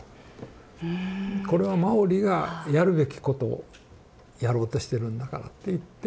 これはマオリがやるべきことをやろうとしてるんだからって言って。